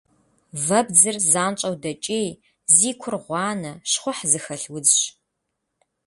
Вэбдзыр занщӏэу дэкӏей, зи кур гъуанэ, щхъухь зыхэлъ удзщ.